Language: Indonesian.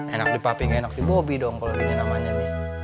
enak di papi nggak enak di bobby dong kalau gini namanya pi